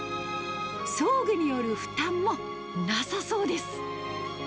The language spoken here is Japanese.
装具による負担もなさそうです。